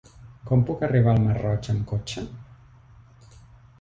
Com puc arribar al Masroig amb cotxe?